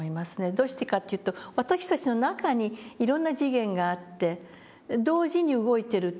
どうしてかって言うと私たちの中にいろんな次元があって同時に動いてるっていう事。